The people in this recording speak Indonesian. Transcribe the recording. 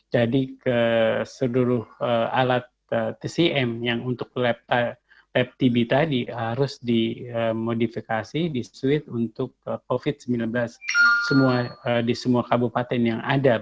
jadi ke sederhana alat tcm yang untuk lab tb tadi harus dimodifikasi di suite untuk covid sembilan belas di semua kabupaten yang ada